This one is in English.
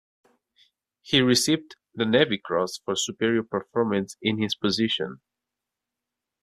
He received the Navy Cross for superior performance in this position.